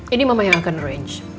ini mama yang akan arrange